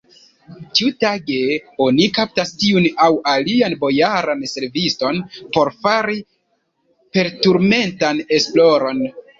Ĉiutage oni kaptas tiun aŭ alian bojaran serviston por fari perturmentan esploron.